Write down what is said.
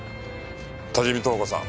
多治見透子さん